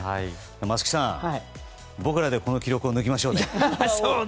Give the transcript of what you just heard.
松木さん、僕らでこの記録を抜きましょうよ。